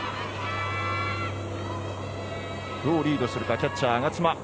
どうリードするかキャッチャー、我妻。